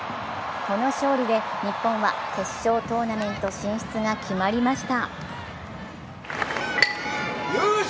この勝利で日本は決勝トーナメント進出が決まりました。